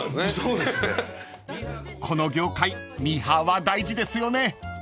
［この業界ミーハーは大事ですよね］